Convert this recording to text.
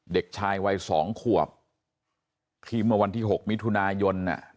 เด็กชายวัย๒ขวบที่เมื่อวันที่๖มิถุนายน